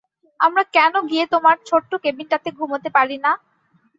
আমরা কেন গিয়ে তোমার ছোট্ট কেবিনটাতে ঘুমোতে পারি না?